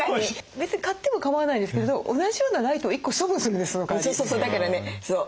別に買っても構わないんですけど同じようなライトを１個処分するんですそのかわり。